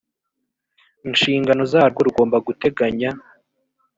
nshingano zarwo rugomba guteganya